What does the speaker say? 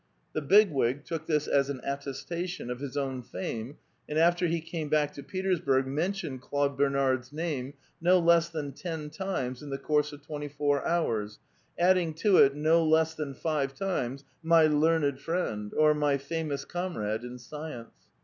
The Big Wig took this as an attestation of his own fame, and after he came back to Petersburg mentioned Claude Bernard's name no less than ten times in the course of twenty four houi*8, adding to it no less than five times, '* my learned friend" or "my famous comrade in science."